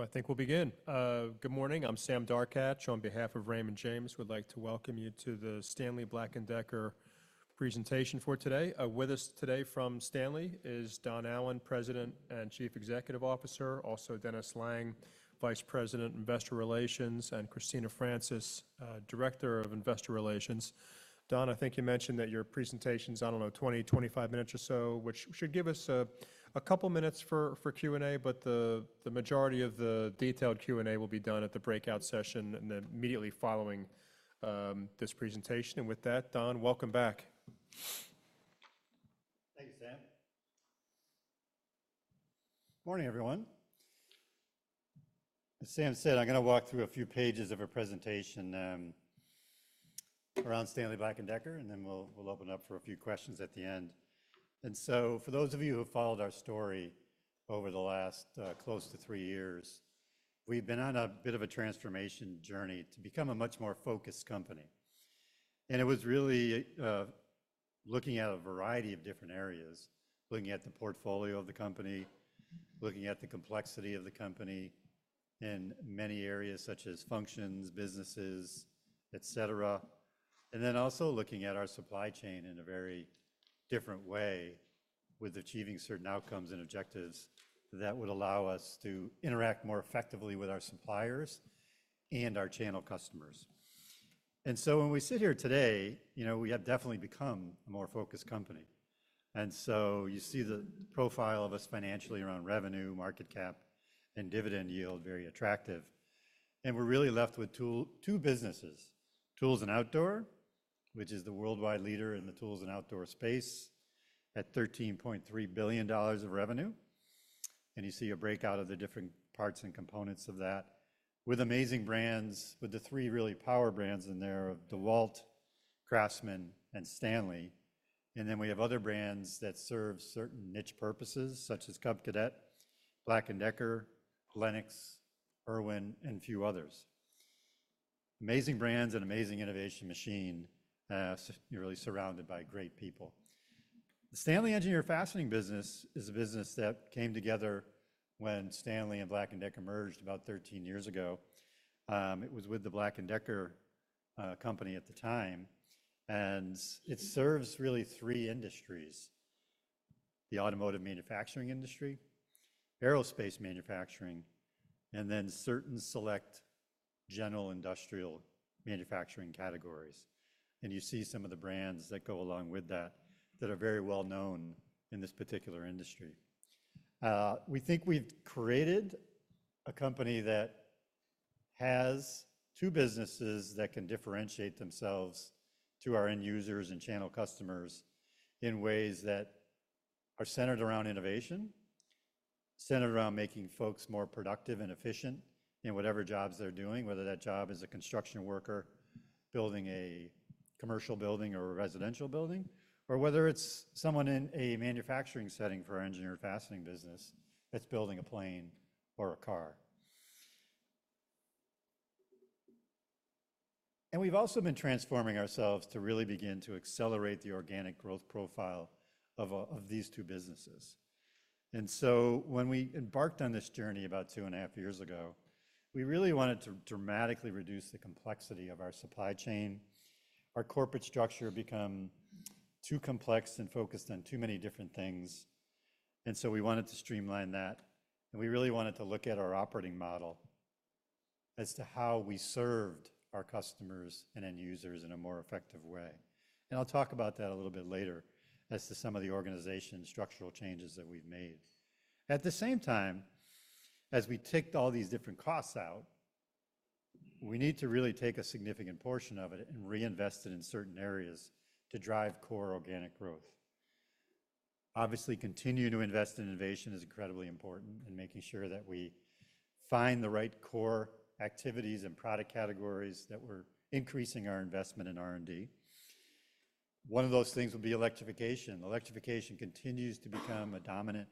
I think we'll begin. Good morning. I'm Sam Darkatsh. On behalf of Raymond James, I would like to welcome you to the Stanley Black & Decker presentation for today. With us today from Stanley is Don Allan, President and Chief Executive Officer. Also, Dennis Lange, Vice President, Investor Relations, and Christina Francis, Director of Investor Relations. Don, I think you mentioned that your presentation's, I don't know, 20, 25 minutes or so, which should give us a couple minutes for Q&A, but the majority of the detailed Q&A will be done at the breakout session immediately following this presentation. With that, Don, welcome back. Thank you, Sam. Morning, everyone. As Sam said, I'm going to walk through a few pages of her presentation around Stanley Black & Decker, and then we'll open up for a few questions at the end. And so, for those of you who followed our story over the last close to three years, we've been on a bit of a transformation journey to become a much more focused company. And it was really looking at a variety of different areas, looking at the portfolio of the company, looking at the complexity of the company in many areas such as functions, businesses, et cetera, and then also looking at our supply chain in a very different way with achieving certain outcomes and objectives that would allow us to interact more effectively with our suppliers and our channel customers. And so, when we sit here today, we have definitely become a more focused company. And so, you see the profile of us financially around revenue, market cap, and dividend yield, very attractive. And we're really left with two businesses: Tools & Outdoor, which is the worldwide leader in the Tools & Outdoor space at $13.3 billion of revenue. And you see a breakout of the different parts and components of that with amazing brands, with the three really power brands in there of DEWALT, CRAFTSMAN, and STANLEY. And then we have other brands that serve certain niche purposes such as Cub Cadet, Black & Decker, Lenox, Irwin, and a few others. Amazing brands and amazing innovation machine, really surrounded by great people. The Stanley Engineered Fastening business is a business that came together when Stanley and Black & Decker merged about 13 years ago. It was with the Black & Decker company at the time. It serves really three industries: the automotive manufacturing industry, aerospace manufacturing, and then certain select general industrial manufacturing categories. You see some of the brands that go along with that that are very well known in this particular industry. We think we've created a company that has two businesses that can differentiate themselves to our end users and channel customers in ways that are centered around innovation, centered around making folks more productive and efficient in whatever jobs they're doing, whether that job is a construction worker building a commercial building or a residential building, or whether it's someone in a manufacturing setting for our Engineered Fastening business that's building a plane or a car. We've also been transforming ourselves to really begin to accelerate the organic growth profile of these two businesses. And so, when we embarked on this journey about two and a half years ago, we really wanted to dramatically reduce the complexity of our supply chain. Our corporate structure became too complex and focused on too many different things. And so, we wanted to streamline that. And we really wanted to look at our operating model as to how we served our customers and end users in a more effective way. And I'll talk about that a little bit later as to some of the organizational structural changes that we've made. At the same time, as we took all these different costs out, we need to really take a significant portion of it and reinvest it in certain areas to drive core organic growth. Obviously, continuing to invest in innovation is incredibly important in making sure that we find the right core activities and product categories that we're increasing our investment in R&D. One of those things would be electrification. Electrification continues to become a dominant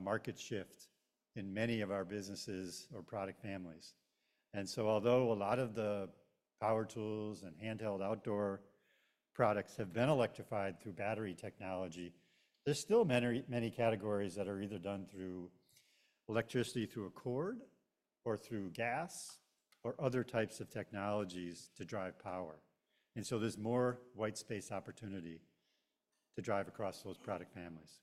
market shift in many of our businesses or product families. And so, although a lot of the power tools and handheld outdoor products have been electrified through battery technology, there's still many categories that are either done through electricity through a cord or through gas or other types of technologies to drive power. And so, there's more white space opportunity to drive across those product families.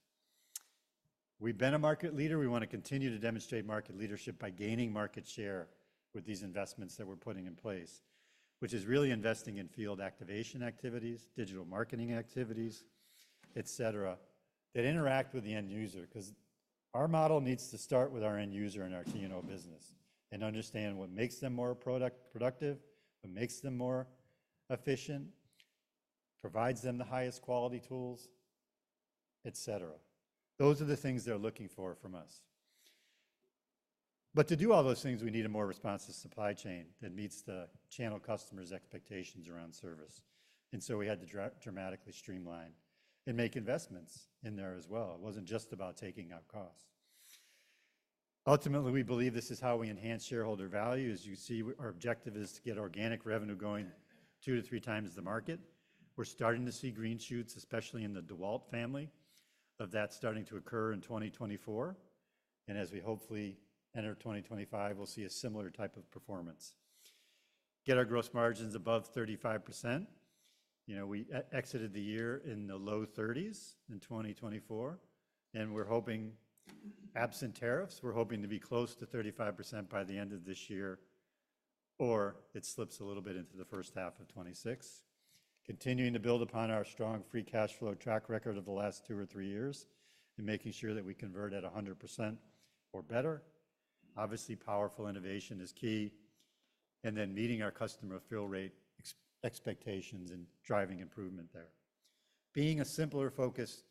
We've been a market leader. We want to continue to demonstrate market leadership by gaining market share with these investments that we're putting in place, which is really investing in field activation activities, digital marketing activities, et cetera, that interact with the end user because our model needs to start with our end user and our T&O business and understand what makes them more productive, what makes them more efficient, provides them the highest quality tools, et cetera. Those are the things they're looking for from us. But to do all those things, we need a more responsive supply chain that meets the channel customers' expectations around service. And so, we had to dramatically streamline and make investments in there as well. It wasn't just about taking out costs. Ultimately, we believe this is how we enhance shareholder value. As you see, our objective is to get organic revenue going two to three times the market. We're starting to see green shoots, especially in the DEWALT family, of that starting to occur in 2024. And as we hopefully enter 2025, we'll see a similar type of performance. Get our gross margins above 35%. We exited the year in the low 30s in 2024. And we're hoping absent tariffs, we're hoping to be close to 35% by the end of this year or it slips a little bit into the first half of 2026. Continuing to build upon our strong free cash flow track record of the last two or three years and making sure that we convert at 100% or better. Obviously, powerful innovation is key. And then meeting our customer fill rate expectations and driving improvement there. Being a simpler, focused,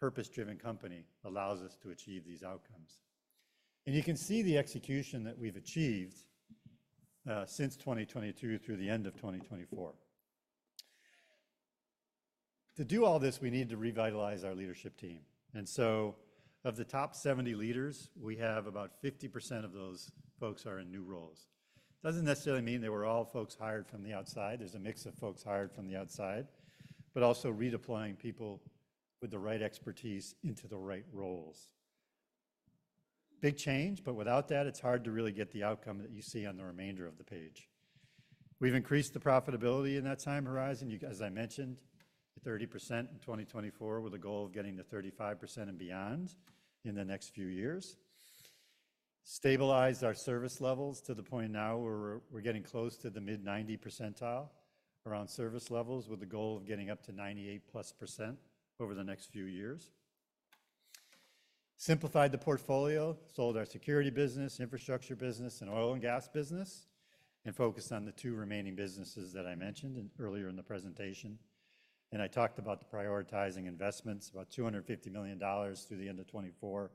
purpose-driven company allows us to achieve these outcomes, and you can see the execution that we've achieved since 2022 through the end of 2024. To do all this, we need to revitalize our leadership team, and so, of the top 70 leaders, we have about 50% of those folks are in new roles. Doesn't necessarily mean they were all folks hired from the outside. There's a mix of folks hired from the outside, but also redeploying people with the right expertise into the right roles. Big change, but without that, it's hard to really get the outcome that you see on the remainder of the page. We've increased the profitability in that time horizon. As I mentioned, 30% in 2024 with a goal of getting to 35% and beyond in the next few years. Stabilized our service levels to the point now where we're getting close to the mid-90 percentile around service levels with a goal of getting up to 98+% over the next few years, simplified the portfolio, sold our security business, infrastructure business, and oil and gas business, and focused on the two remaining businesses that I mentioned earlier in the presentation, and I talked about prioritizing investments, about $250 million through the end of 2024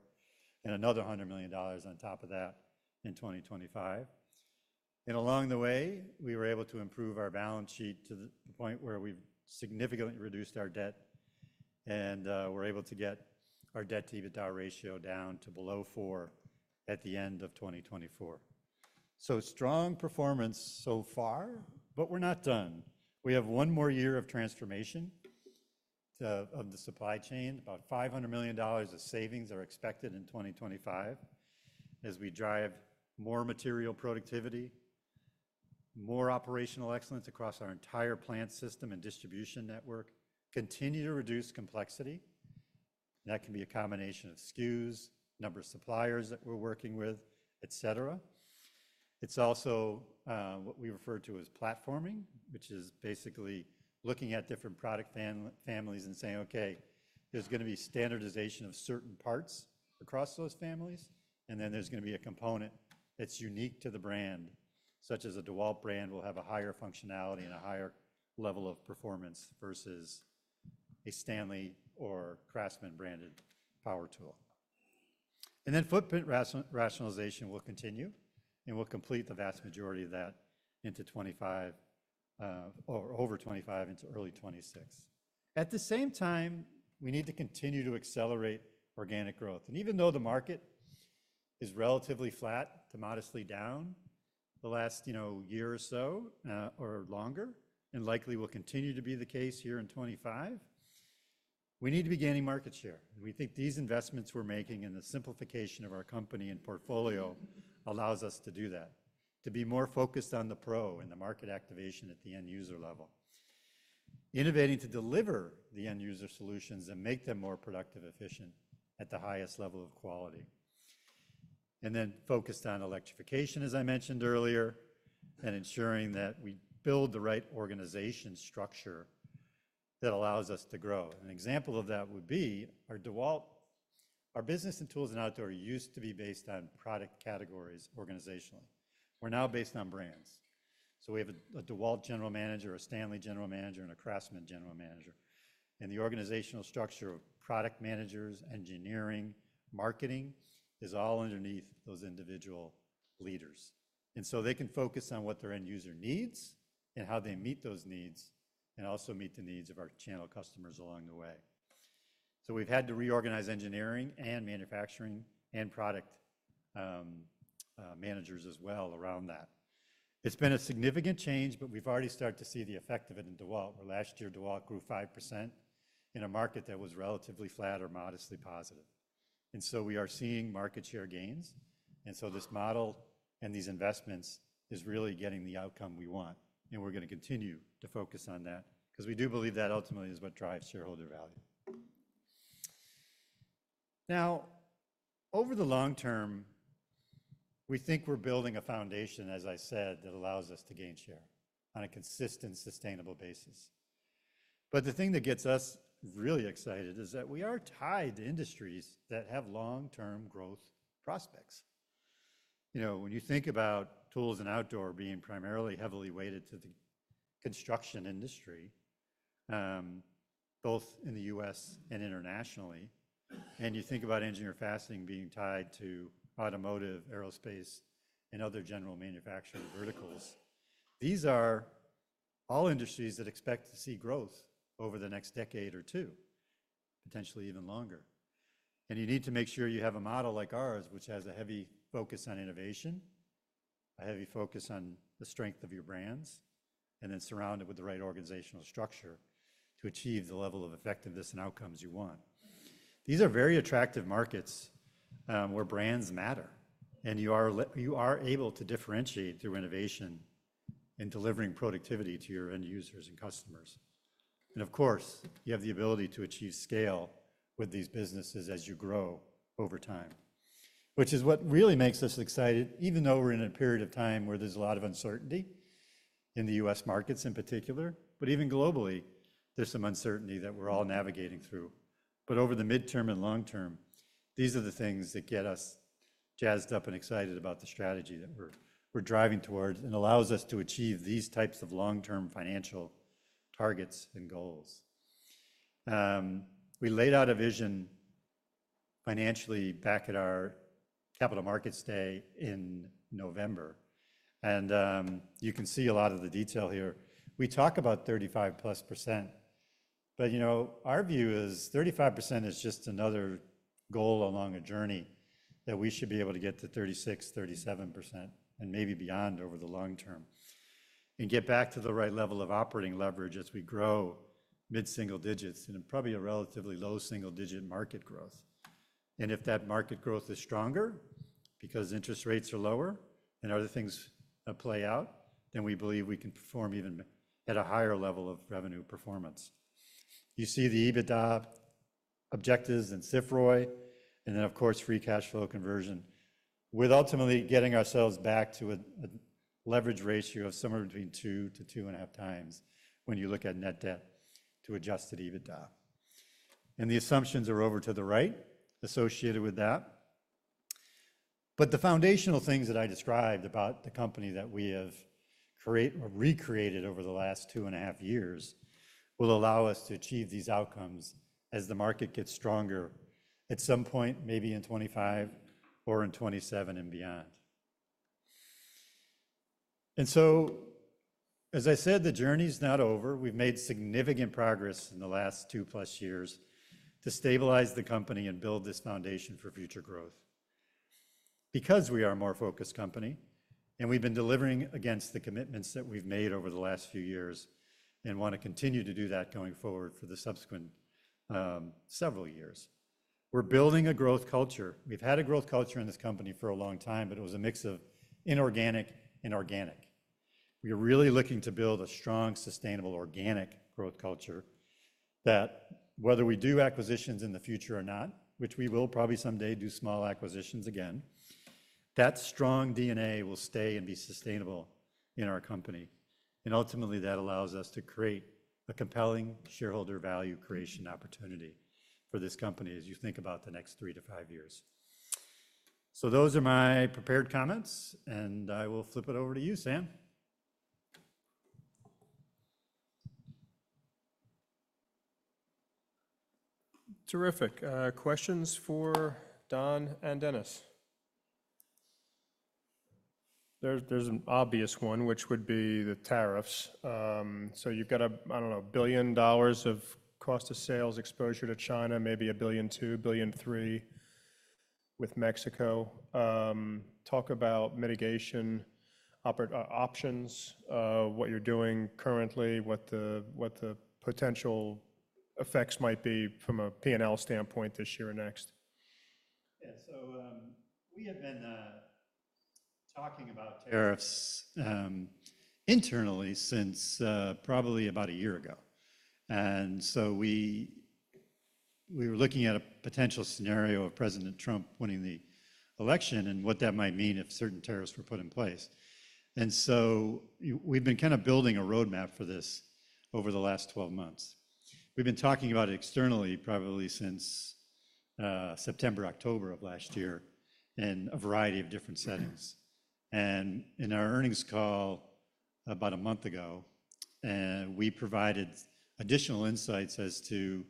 and another $100 million on top of that in 2025, and along the way, we were able to improve our balance sheet to the point where we've significantly reduced our debt and were able to get our debt-to-EBITDA ratio down to below four at the end of 2024, so strong performance so far, but we're not done. We have one more year of transformation of the supply chain. About $500 million of savings are expected in 2025 as we drive more material productivity, more operational excellence across our entire plant system and distribution network, continue to reduce complexity. That can be a combination of SKUs, number of suppliers that we're working with, et cetera. It's also what we refer to as platforming, which is basically looking at different product families and saying, "Okay, there's going to be standardization of certain parts across those families, and then there's going to be a component that's unique to the brand, such as a DEWALT brand will have a higher functionality and a higher level of performance versus a STANLEY or CRAFTSMAN branded power tool." And then footprint rationalization will continue and will complete the vast majority of that into 2025 or over 2025 into early 2026. At the same time, we need to continue to accelerate organic growth. Even though the market is relatively flat to modestly down the last year or so or longer, and likely will continue to be the case here in 2025, we need to be gaining market share. We think these investments we're making and the simplification of our company and portfolio allows us to do that, to be more focused on the pro and the market activation at the end user level, innovating to deliver the end user solutions and make them more productive, efficient at the highest level of quality, and then focused on electrification, as I mentioned earlier, and ensuring that we build the right organization structure that allows us to grow. An example of that would be our DEWALT. Our business in Tools & Outdoor used to be based on product categories organizationally. We're now based on brands. We have a DEWALT general manager, a STANLEY general manager, and a CRAFTSMAN general manager. The organizational structure of product managers, engineering, marketing is all underneath those individual leaders. They can focus on what their end user needs and how they meet those needs and also meet the needs of our channel customers along the way. We've had to reorganize engineering and manufacturing and product managers as well around that. It's been a significant change, but we've already started to see the effect of it in DEWALT. Where last year, DEWALT grew 5% in a market that was relatively flat or modestly positive. We are seeing market share gains. This model and these investments is really getting the outcome we want. We're going to continue to focus on that because we do believe that ultimately is what drives shareholder value. Now, over the long term, we think we're building a foundation, as I said, that allows us to gain share on a consistent, sustainable basis. But the thing that gets us really excited is that we are tied to industries that have long-term growth prospects. When you think about Tools & Outdoor being primarily heavily weighted to the construction industry, both in the U.S. and internationally, and you think about Engineered Fastening being tied to automotive, aerospace, and other general manufacturing verticals, these are all industries that expect to see growth over the next decade or two, potentially even longer, and you need to make sure you have a model like ours, which has a heavy focus on innovation, a heavy focus on the strength of your brands, and then surround it with the right organizational structure to achieve the level of effectiveness and outcomes you want. These are very attractive markets where brands matter. And you are able to differentiate through innovation in delivering productivity to your end users and customers. And of course, you have the ability to achieve scale with these businesses as you grow over time, which is what really makes us excited, even though we're in a period of time where there's a lot of uncertainty in the U.S. markets in particular, but even globally, there's some uncertainty that we're all navigating through. But over the midterm and long term, these are the things that get us jazzed up and excited about the strategy that we're driving towards and allows us to achieve these types of long-term financial targets and goals. We laid out a vision financially back at our Capital Markets Day in November. And you can see a lot of the detail here. We talk about 35+%, but our view is 35% is just another goal along a journey that we should be able to get to 36%-37%, and maybe beyond over the long term and get back to the right level of operating leverage as we grow mid-single digits and probably a relatively low single-digit market growth. If that market growth is stronger because interest rates are lower and other things play out, then we believe we can perform even at a higher level of revenue performance. You see the EBITDA objectives and CFROI, and then, of course, free cash flow conversion, with ultimately getting ourselves back to a leverage ratio of somewhere between two to two and a half times when you look at net debt to adjusted EBITDA. The assumptions are over to the right associated with that. The foundational things that I described about the company that we have created or recreated over the last two and a half years will allow us to achieve these outcomes as the market gets stronger at some point, maybe in 2025 or in 2027 and beyond. And so, as I said, the journey's not over. We've made significant progress in the last two plus years to stabilize the company and build this foundation for future growth. Because we are a more focused company, and we've been delivering against the commitments that we've made over the last few years and want to continue to do that going forward for the subsequent several years. We're building a growth culture. We've had a growth culture in this company for a long time, but it was a mix of inorganic and organic. We are really looking to build a strong, sustainable, organic growth culture that whether we do acquisitions in the future or not, which we will probably someday do small acquisitions again, that strong DNA will stay and be sustainable in our company. Ultimately, that allows us to create a compelling shareholder value creation opportunity for this company as you think about the next three to five years. Those are my prepared comments, and I will flip it over to you, Sam. Terrific. Questions for Don and Dennis? There's an obvious one, which would be the tariffs. You've got a, I don't know, $1 billion of cost of sales exposure to China, maybe $1 billion, $2 billion, $3 billion with Mexico. Talk about mitigation options, what you're doing currently, what the potential effects might be from a P&L standpoint this year or next. Yeah, so we have been talking about tariffs internally since probably about a year ago. And so we were looking at a potential scenario of President Trump winning the election and what that might mean if certain tariffs were put in place. And so we've been kind of building a roadmap for this over the last 12 months. We've been talking about it externally probably since September, October of last year in a variety of different settings. And in our earnings call about a month ago, we provided additional insights as to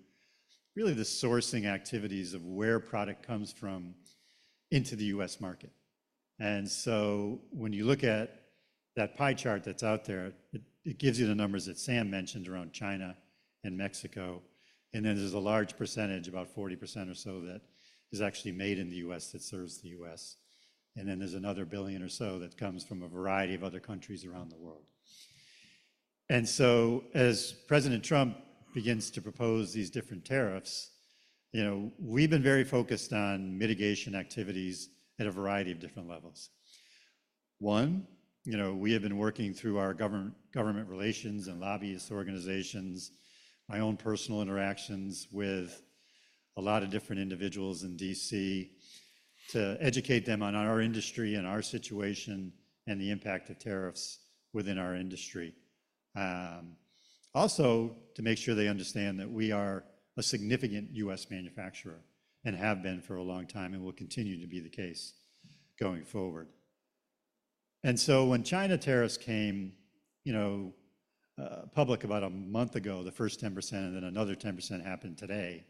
really the sourcing activities of where product comes from into the U.S. market. And so when you look at that pie chart that's out there, it gives you the numbers that Sam mentioned around China and Mexico. And then there's a large percentage, about 40% or so, that is actually made in the U.S. that serves the U.S. And then there's another billion or so that comes from a variety of other countries around the world. And so as President Trump begins to propose these different tariffs, we've been very focused on mitigation activities at a variety of different levels. One, we have been working through our government relations and lobbyist organizations, my own personal interactions with a lot of different individuals in DC to educate them on our industry and our situation and the impact of tariffs within our industry. Also, to make sure they understand that we are a significant U.S. manufacturer and have been for a long time and will continue to be the case going forward. And so when China tariffs came public about a month ago, the first 10% and then another 10% happened today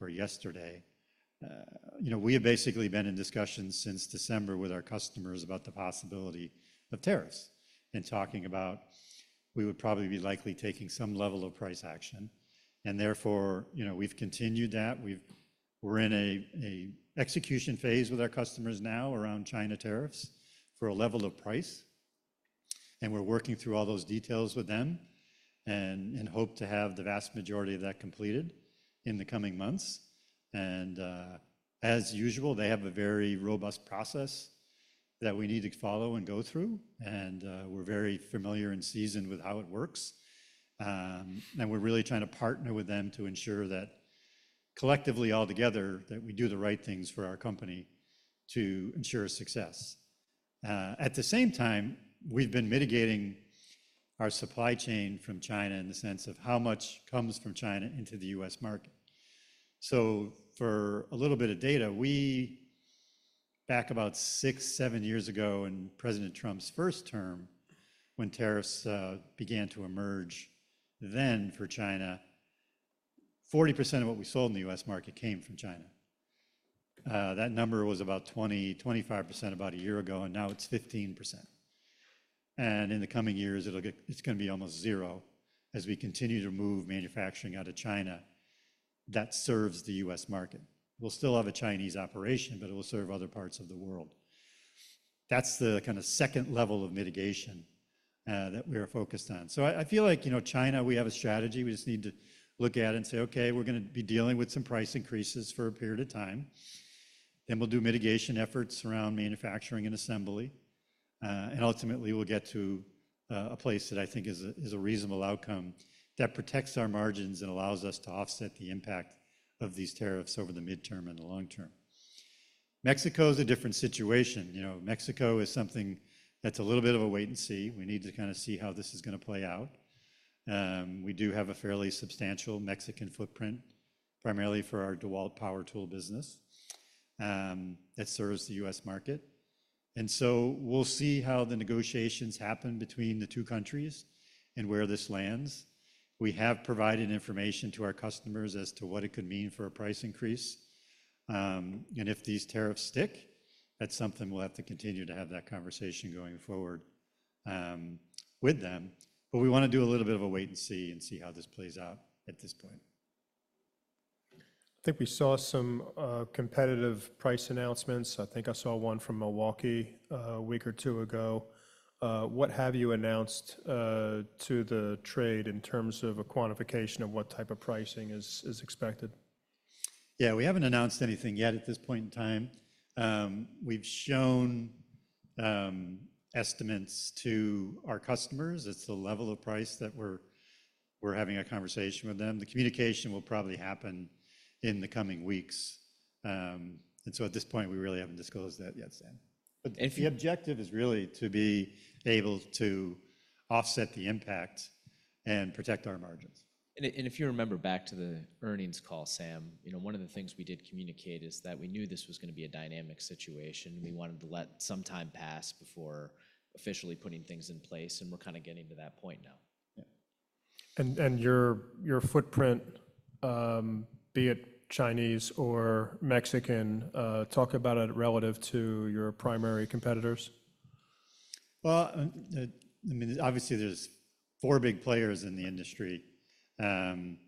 or yesterday, we have basically been in discussions since December with our customers about the possibility of tariffs and talking about we would probably be likely taking some level of price action. And therefore, we've continued that. We're in an execution phase with our customers now around China tariffs for a level of price. And we're working through all those details with them and hope to have the vast majority of that completed in the coming months. And as usual, they have a very robust process that we need to follow and go through. And we're very familiar and seasoned with how it works. And we're really trying to partner with them to ensure that collectively altogether that we do the right things for our company to ensure success. At the same time, we've been mitigating our supply chain from China in the sense of how much comes from China into the U.S. market. So for a little bit of data, we go back about six, seven years ago in President Trump's first term when tariffs began to emerge then for China, 40% of what we sold in the U.S. market came from China. That number was about 20%-25% about a year ago, and now it's 15%. And in the coming years, it's going to be almost zero as we continue to move manufacturing out of China that serves the U.S. market. We'll still have a Chinese operation, but it will serve other parts of the world. That's the kind of second level of mitigation that we are focused on. So I feel like China, we have a strategy. We just need to look at it and say, "Okay, we're going to be dealing with some price increases for a period of time." Then we'll do mitigation efforts around manufacturing and assembly. And ultimately, we'll get to a place that I think is a reasonable outcome that protects our margins and allows us to offset the impact of these tariffs over the midterm and the long term. Mexico is a different situation. Mexico is something that's a little bit of a wait and see. We need to kind of see how this is going to play out. We do have a fairly substantial Mexican footprint, primarily for our DEWALT power tool business that serves the U.S. market. And so we'll see how the negotiations happen between the two countries and where this lands. We have provided information to our customers as to what it could mean for a price increase. And if these tariffs stick, that's something we'll have to continue to have that conversation going forward with them. But we want to do a little bit of a wait and see and see how this plays out at this point. I think we saw some competitive price announcements. I think I saw one from Milwaukee a week or two ago. What have you announced to the trade in terms of a quantification of what type of pricing is expected? Yeah, we haven't announced anything yet at this point in time. We've shown estimates to our customers. It's the level of price that we're having a conversation with them. The communication will probably happen in the coming weeks. And so at this point, we really haven't disclosed that yet, Sam. The objective is really to be able to offset the impact and protect our margins. And if you remember back to the earnings call, Sam, one of the things we did communicate is that we knew this was going to be a dynamic situation. We wanted to let some time pass before officially putting things in place. And we're kind of getting to that point now. Yeah. And your footprint, be it Chinese or Mexican, talk about it relative to your primary competitors? Well, I mean, obviously, there's four big players in the industry. And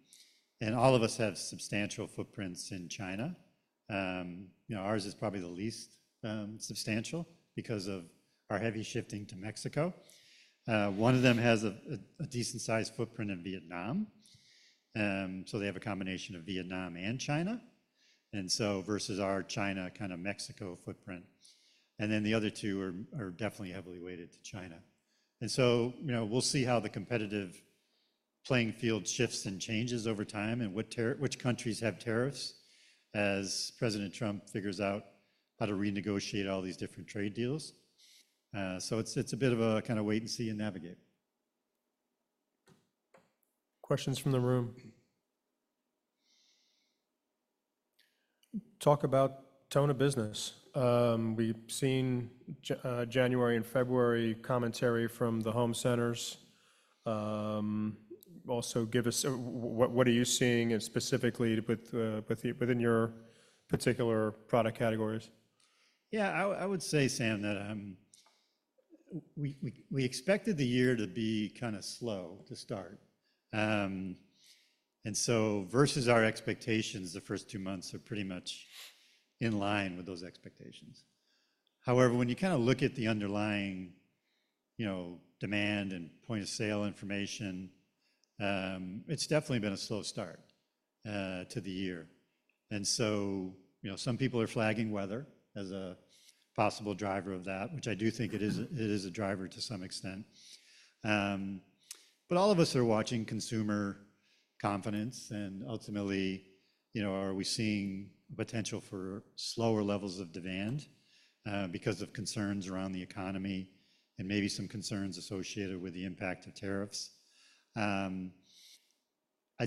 all of us have substantial footprints in China. Ours is probably the least substantial because of our heavy shifting to Mexico. One of them has a decent-sized footprint in Vietnam. So they have a combination of Vietnam and China, and so versus our China kind of Mexico footprint. And then the other two are definitely heavily weighted to China. And so we'll see how the competitive playing field shifts and changes over time and which countries have tariffs as President Trump figures out how to renegotiate all these different trade deals. So it's a bit of a kind of wait and see and navigate. Questions from the room? Talk about tone of business. We've seen January and February commentary from the home centers. Also give us, what are you seeing specifically within your particular product categories? Yeah, I would say, Sam, that we expected the year to be kind of slow to start. And so versus our expectations, the first two months are pretty much in line with those expectations. However, when you kind of look at the underlying demand and point of sale information, it's definitely been a slow start to the year. And so some people are flagging weather as a possible driver of that, which I do think it is a driver to some extent. But all of us are watching consumer confidence. And ultimately, are we seeing potential for slower levels of demand because of concerns around the economy and maybe some concerns associated with the impact of tariffs? I'd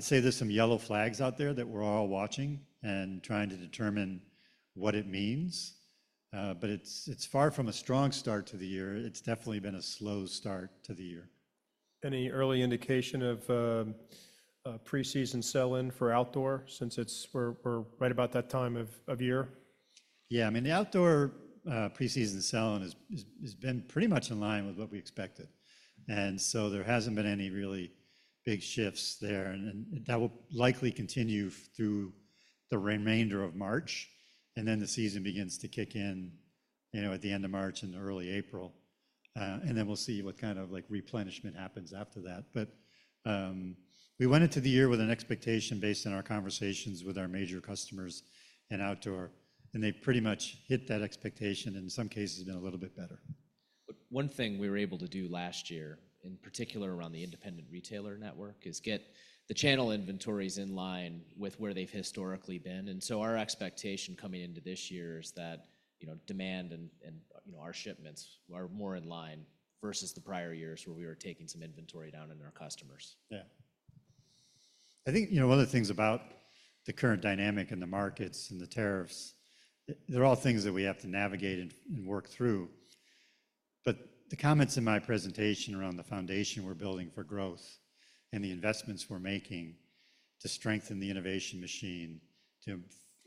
say there's some yellow flags out there that we're all watching and trying to determine what it means. But it's far from a strong start to the year. It's definitely been a slow start to the year. Any early indication of preseason sell-in for outdoor since we're right about that time of year? Yeah, I mean, the outdoor preseason sell-in has been pretty much in line with what we expected. And so there hasn't been any really big shifts there. And that will likely continue through the remainder of March. And then the season begins to kick in at the end of March and early April. Then we'll see what kind of replenishment happens after that. But we went into the year with an expectation based on our conversations with our major customers in outdoor. And they pretty much hit that expectation. In some cases, been a little bit better. One thing we were able to do last year, in particular around the independent retailer network, is get the channel inventories in line with where they've historically been. And so our expectation coming into this year is that demand and our shipments are more in line versus the prior years where we were taking some inventory down on our customers. Yeah. I think one of the things about the current dynamic in the markets and the tariffs, they're all things that we have to navigate and work through. But the comments in my presentation around the foundation we're building for growth and the investments we're making to strengthen the innovation machine, to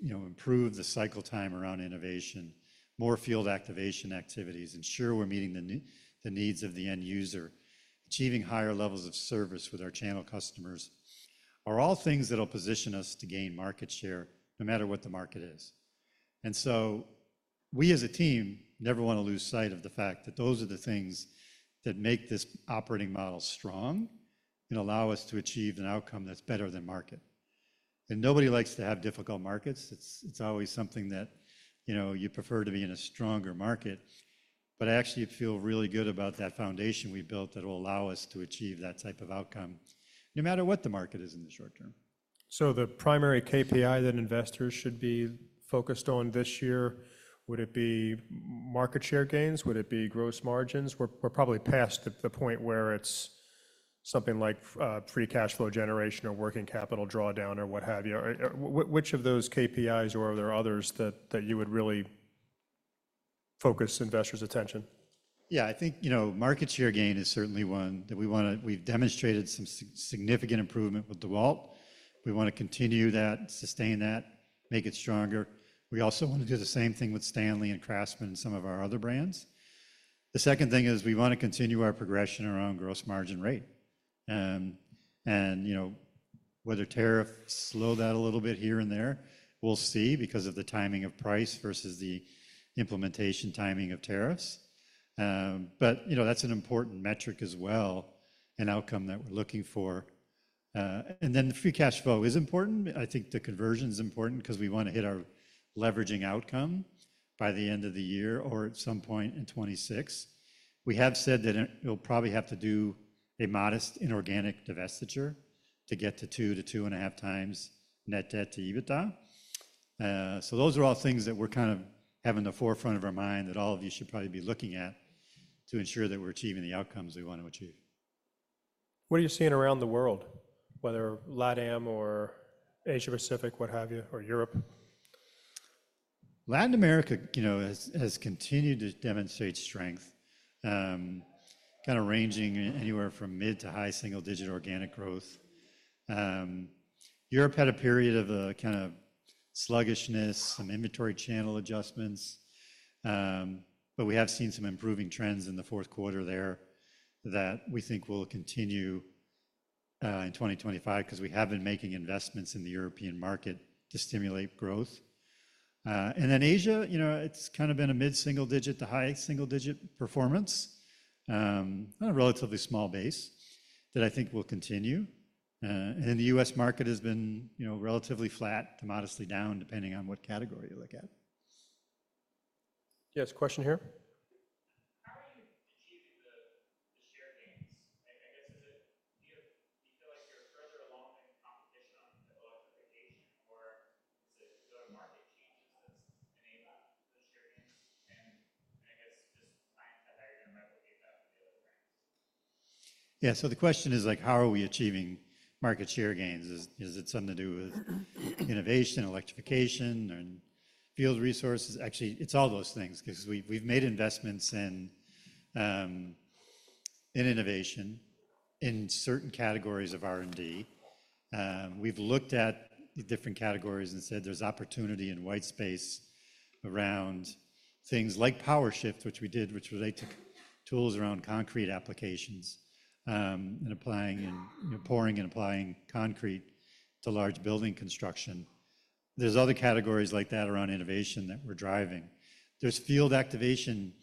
improve the cycle time around innovation, more field activation activities, ensure we're meeting the needs of the end user, achieving higher levels of service with our channel customers are all things that will position us to gain market share no matter what the market is. And so we as a team never want to lose sight of the fact that those are the things that make this operating model strong and allow us to achieve an outcome that's better than market. And nobody likes to have difficult markets. It's always something that you prefer to be in a stronger market. But I actually feel really good about that foundation we've built that will allow us to achieve that type of outcome no matter what the market is in the short term. So the primary KPI that investors should be focused on this year, would it be market share gains? Would it be gross margins? We're probably past the point where it's something like free cash flow generation or working capital drawdown or what have you. Which of those KPIs or are there others that you would really focus investors' attention? Yeah, I think market share gain is certainly one that we want to. We've demonstrated some significant improvement with DEWALT. We want to continue that, sustain that, make it stronger. We also want to do the same thing with STANLEY and CRAFTSMAN and some of our other brands. The second thing is we want to continue our progression around gross margin rate. And whether tariffs slow that a little bit here and there, we'll see because of the timing of price versus the implementation timing of tariffs. But that's an important metric as well, an outcome that we're looking for. And then the free cash flow is important. I think the conversion is important because we want to hit our leveraging outcome by the end of the year or at some point in 2026. We have said that it'll probably have to do a modest inorganic divestiture to get to two to two and a half times net debt to EBITDA. So those are all things that we're kind of having the forefront of our mind that all of you should probably be looking at to ensure that we're achieving the outcomes we want to achieve. What are you seeing around the world, whether LATAM or Asia-Pacific, what have you, or Europe? Latin America has continued to demonstrate strength, kind of ranging anywhere from mid- to high-single-digit organic growth. Europe had a period of kind of sluggishness, some inventory channel adjustments. But we have seen some improving trends in the fourth quarter there that we think will continue in 2025 because we have been making investments in the European market to stimulate growth. And then Asia, it's kind of been a mid-single-digit to high-single-digit performance, a relatively small base that I think will continue. And the U.S. market has been relatively flat to modestly down, depending on what category you look at. Yes, question here. How are you achieving the share gains? I guess, do you feel like you're further along in competition on the electrification, or is it the go-to-market changes that's enabling the share gains? And I guess just trying to tell how you're going to replicate that with the other brands. Yeah, so the question is, how are we achieving market share gains? Is it something to do with innovation, electrification, or field resources? Actually, it's all those things because we've made investments in innovation in certain categories of R&D. We've looked at different categories and said there's opportunity in white space around things like POWERSHIFT, which we did, which relate to tools around concrete applications and applying and pouring and applying concrete to large building construction. There's other categories like that around innovation that we're driving. There's field activation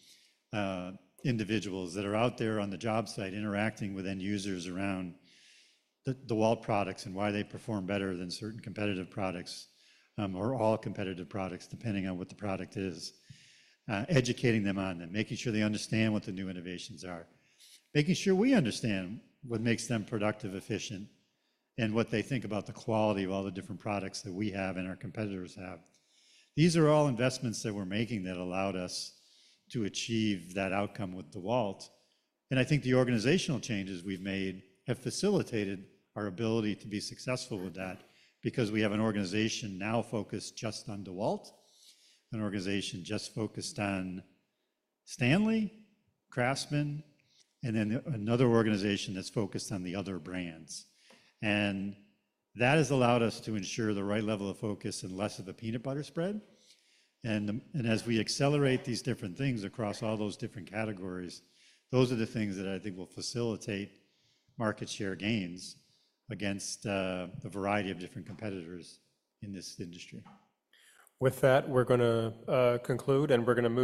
individuals that are out there on the job site interacting with end users around the DEWALT products and why they perform better than certain competitive products or all competitive products, depending on what the product is, educating them on them, making sure they understand what the new innovations are, making sure we understand what makes them productive, efficient, and what they think about the quality of all the different products that we have and our competitors have. These are all investments that we're making that allowed us to achieve that outcome with DEWALT. And I think the organizational changes we've made have facilitated our ability to be successful with that because we have an organization now focused just on DEWALT, an organization just focused on STANLEY, CRAFTSMAN, and then another organization that's focused on the other brands. And that has allowed us to ensure the right level of focus and less of a peanut butter spread. And as we accelerate these different things across all those different categories, those are the things that I think will facilitate market share gains against the variety of different competitors in this industry. With that, we're going to conclude, and we're going to.